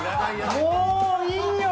もういいよ！